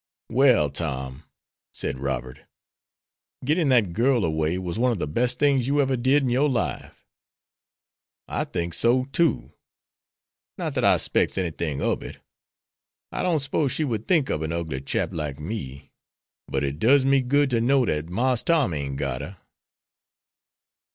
"Well, Tom," said Robert, "getting that girl away was one of the best things you ever did in your life." "I think so, too. Not dat I specs enytin' ob it. I don't spose she would think ob an ugly chap like me; but it does me good to know dat Marse Tom ain't got her."